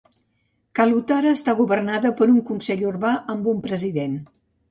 Kalutara està governada per un Consell Urbà amb un president.